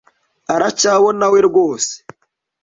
aracyabonawe rwose.